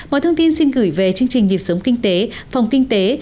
mọi thông tin xin gửi về chương trình nhịp sống kinh tế phòng kinh tế